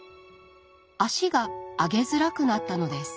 足が上げづらくなったのです。